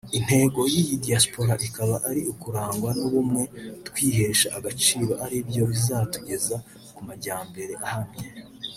Intego y’iyi diaspora ikaba ari “Kurangwa n’ubumwe twihesha agaciro aribyo bizatugeza ku majyambere ahamye”